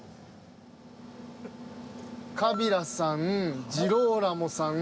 川平さんジローラモさん。